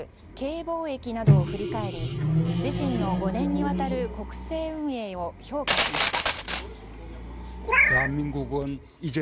Ｋ防疫などを振り返り自身の５年にわたる国政運営を評価しました。